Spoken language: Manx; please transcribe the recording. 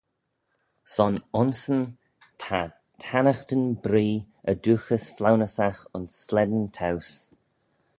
Son aynsyn ta tannaghtyn bree y dooghys flaunyssagh ayns slane towse.